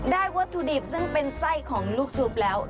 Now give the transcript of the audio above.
วัตถุดิบซึ่งเป็นไส้ของลูกชุบแล้ว